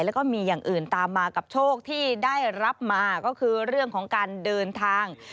แล้วก็มีอย่างอื่นตามมากับโชคที่ได้รับมาก็คือเรื่องของการเดินทาง